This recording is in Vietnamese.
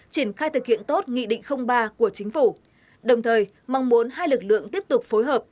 triển khai thực hiện tốt nghị định ba của chính phủ đồng thời mong muốn hai lực lượng tiếp tục phối hợp